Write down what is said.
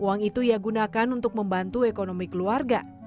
uang itu ia gunakan untuk membantu ekonomi keluarga